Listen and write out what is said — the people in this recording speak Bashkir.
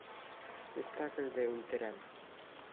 Спектаклде үлтерәм.